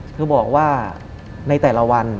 คือบอกว่าในแต่ละวัน